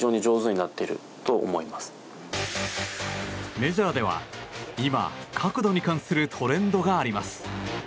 メジャーでは今、角度に関するトレンドがあります。